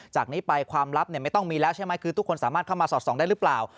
จากนี้ไปความลับไม่ต้องมีแล้วใช่ไหมคือทุกคนสามารถเข้ามาสอดส่องได้หรือเปล่า